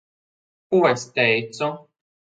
Ko es teicu?